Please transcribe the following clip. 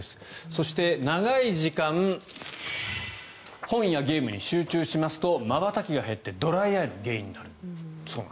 そして、長い時間本やゲームに集中しますとまばたきが減ってドライアイの原因になると。